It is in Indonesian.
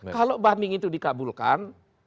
kalau banding itu dikabulkan